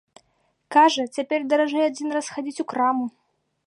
Кажа, цяпер даражэй адзін раз схадзіць у краму.